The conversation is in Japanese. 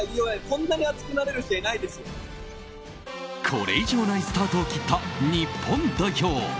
これ以上ないスタートを切った日本代表。